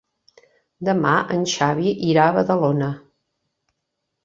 Demà en Xavi irà a Badalona.